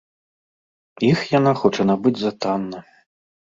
Іх яна хоча набыць за танна.